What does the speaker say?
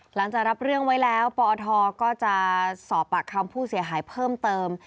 หลังจากรับเรื่องไว้แล้วปอทก็จะสอบปากคำผู้เสียหายเพิ่มเติม